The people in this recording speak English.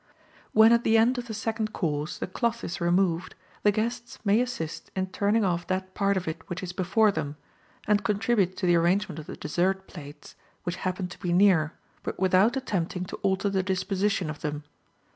When at the end of the second course, the cloth is removed, the guests may assist in turning off that part of it which is before them, and contribute to the arrangement of the dessert plates which happen to be near, but without attempting to alter the disposition of them.